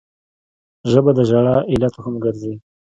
ژبه د ژړا علت هم ګرځي